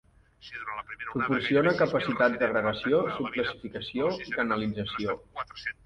Proporciona capacitats d'agregació, subclassificació i canalització.